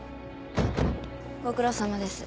ご苦労さまです。